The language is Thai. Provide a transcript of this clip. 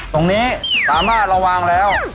ตรงนี้สามารถระวังแล้ว